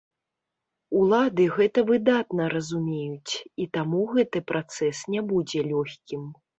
Улады гэта выдатна разумеюць, і таму гэты працэс не будзе лёгкім.